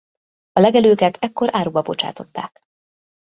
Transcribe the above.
A legelőket ekkor áruba bocsátották.